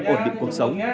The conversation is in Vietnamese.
ổn định cuộc sống